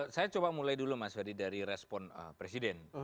saya coba mulai dulu mas ferdi dari respon presiden